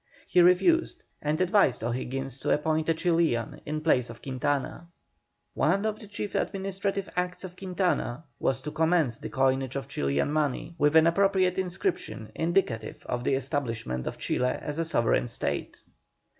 He refused, and advised O'Higgins to appoint a Chilian in place of Quintana. One of the chief administrative acts of Quintana was to commence the coinage of Chilian money, with an appropriate inscription indicative of the establishment of Chile as a sovereign State.